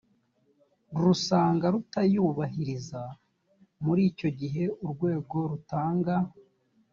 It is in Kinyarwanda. rusanga rutayubahiriza muri icyo gihe urwego rutanga